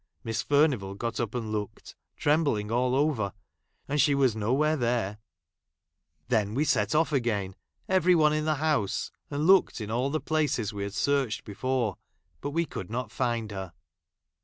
Miss Furnivall i got up and looked, trembling all over, and she was no where there ; then we set off' j again, every one in the house, and looked in all the places we had searched before, but i we could not find her.